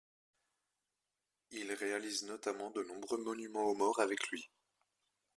Il réalise notamment de nombreux monuments aux morts avec lui.